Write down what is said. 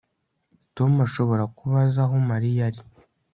Tom ashobora kuba azi aho Mariya ari